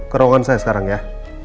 ke ruangan saya sekarang ya